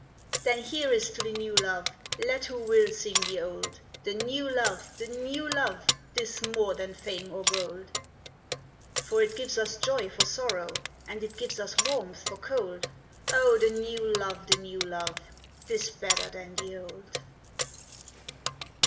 Then here is to the new love, Let who will sing the old; The new love, the new love, 'Tis more than fame or gold. For it gives us joy for sorrow, And it gives us warmth for cold; Oh! the new love, the new love, 'Tis better than the old.